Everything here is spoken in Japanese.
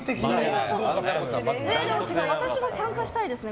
私も参加したいですね。